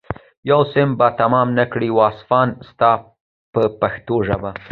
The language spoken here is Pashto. یو صفت به تمام نه کړي واصفان ستا په پښتو ژبه.